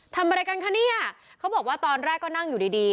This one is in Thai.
ทำอะไรกันคะเนี่ยเขาบอกว่าตอนแรกก็นั่งอยู่ดีดี